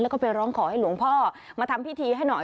แล้วก็ไปร้องขอให้หลวงพ่อมาทำพิธีให้หน่อย